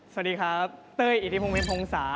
สวัสดีครับเต้ยอิทธิพงริมพงศา